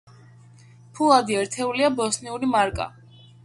ფულადი ერთეულია ბოსნიური მარკა.